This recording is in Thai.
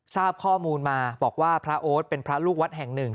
ทราบข้อมูลมาบอกว่าพระโอ๊ตเป็นพระลูกวัดแห่งหนึ่ง